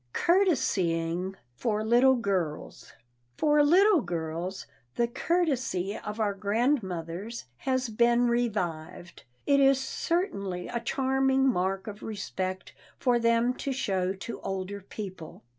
[Sidenote: COURTESYING FOR LITTLE GIRLS] For little girls, the courtesy of our grandmothers has been revived. It is certainly a charming mark of respect for them to show to older people.